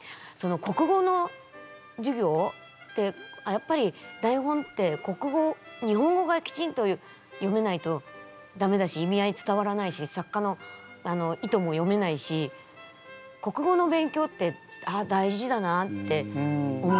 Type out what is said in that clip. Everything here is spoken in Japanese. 国語の授業ってやっぱり台本って日本語がきちんと読めないと駄目だし意味合い伝わらないし作家の意図も読めないし国語の勉強ってああ大事だなって思ったり。